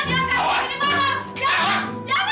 jangan papa bangun ma